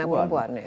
anak perempuan ya